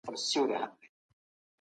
ولي کندهار کي صنعتي پلانونه مهم دي؟